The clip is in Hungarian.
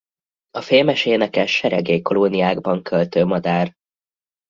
A fémes énekes seregély kolóniákban költő madár.